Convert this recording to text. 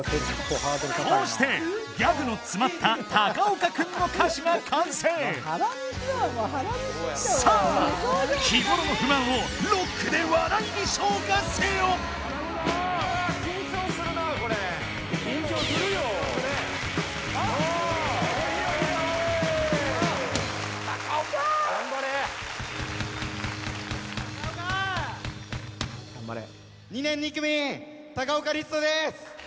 こうしてギャグの詰まった高岡くんの歌詞が完成さあ日頃の不満をロックで笑いに昇華せよ頑張れ！